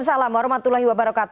selamat sore sana